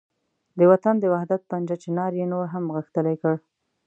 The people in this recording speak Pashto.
د وطن د وحدت پنجه چنار یې نور هم غښتلې کړ.